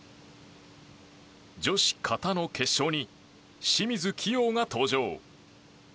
女子形の決勝に清水希容が登場。